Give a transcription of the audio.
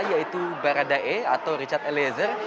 yaitu baradae atau richard eliezer